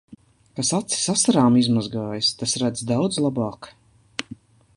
Kas acis asarām izmazgājis, tas redz daudz labāk.